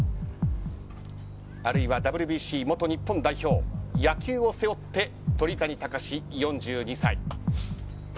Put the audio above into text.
あるいは、ＷＢＣ元日本代表野球を背負って鳥谷敬、４２歳。